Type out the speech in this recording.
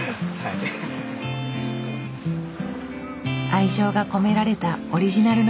愛情が込められたオリジナルの船。